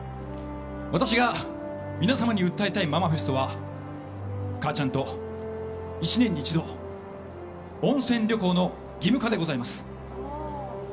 私が皆様に訴えたいママフェストは母ちゃんと１年に一度温泉旅行の義務化でございます。